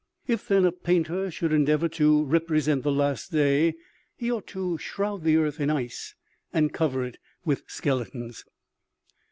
If, then, a painter should endeavor to represent the last day, he O ME G A . in A WORLD OF ICE. ought to shroud the earth in ice, and cover it with skeletons."